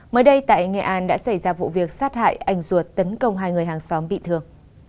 mới đây tại nghệ an đã xảy ra vụ việc sát hại anh ruột tấn công hai người hàng xóm bị thương